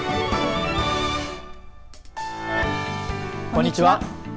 こんにちは。